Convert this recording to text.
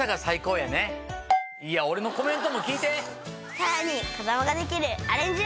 さらに子供ができるアレンジ料理も！